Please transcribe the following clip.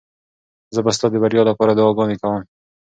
زه به ستا د بریا لپاره دعاګانې کوم.